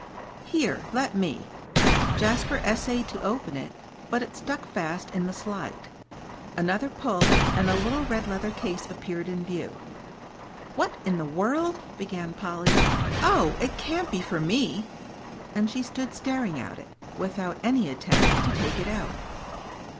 "Here let me." Jasper essayed to open it, but it stuck fast in the slide. Another pull, and a little red leather case appeared in view. "What in the world " began Polly; "oh, it can't be for me!" and she stood staring at it, without any attempt to take it out.